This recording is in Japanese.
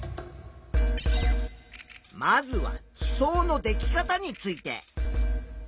まずは地層のでき方について。